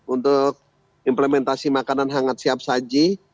untuk implementasi makanan hangat siap saji